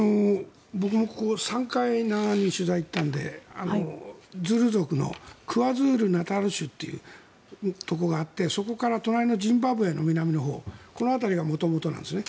僕も３回取材に行ったのでズールー族のクワズール・ナタール州というところがあってそこから隣のジンバブエの南のほうこの辺りが元々なんです。